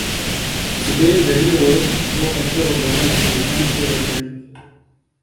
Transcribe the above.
Sibê Deriyê Welîd ji bo xelkê Rojavayê Kurdistanê tê vekirin.